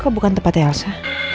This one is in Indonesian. kok bukan tempat elsa